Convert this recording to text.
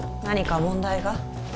何か問題が？